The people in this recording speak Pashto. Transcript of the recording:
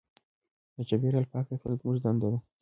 د چاپېریال پاک ساتل زموږ دنده ده.